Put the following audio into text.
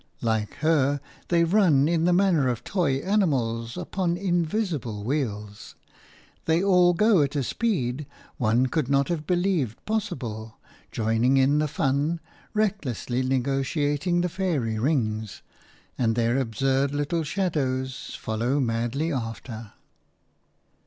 Like her, they run in the manner of toy animals upon invisible wheels. They all go at a speed one could not have believed possible, joining in the fun, recklessly negotiating the fairy rings; and their absurd little shadows follow madly after.